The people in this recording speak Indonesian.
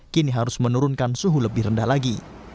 kini harus menurunkan suhu lebih rendah lagi